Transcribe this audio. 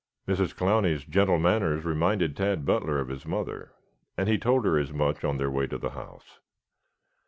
Mrs. Clowney's gentle manners reminded Tad Butler of his mother, and he told her as much on their way into the house.